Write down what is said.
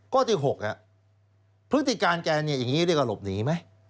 ข้อที่๖พฤติการแกเนี่ยอย่างนี้เรียกว่าหลบหนีไหม